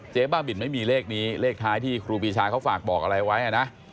บ้าบินไม่มีเลขนี้เลขท้ายที่ครูปีชาเขาฝากบอกอะไรไว้นะ